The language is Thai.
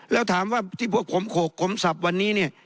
แล้วถามว่าที่พวกผมโขกผมสับวันนี้เนี่ย